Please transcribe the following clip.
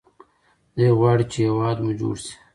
دی غواړي چې هیواد مو جوړ شي.